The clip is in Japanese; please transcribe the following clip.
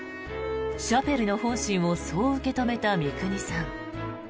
シャペルの本心をそう受け止めた三國さん。